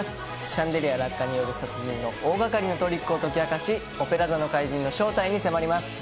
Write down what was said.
シャンデリア落下による殺人の大がかりなトリックを解き明かし、オペラ座の怪人の正体に迫ります。